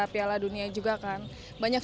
piala dunia juga kan banyak